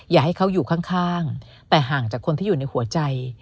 อย่าให้เขาอยู่ข้างแต่ห่างจากคนที่อยู่ในหัวใจ